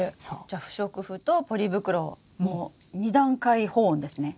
じゃ不織布とポリ袋の２段階保温ですね。